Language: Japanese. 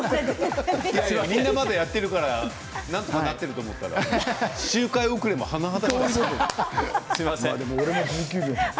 みんなまだやってるからなんとかなると思ったら周回遅れもはなはだしい。